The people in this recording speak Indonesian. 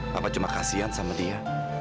papa cuma kasian sama dia